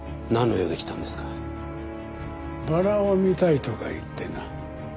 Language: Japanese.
バラを見たいとか言ってな。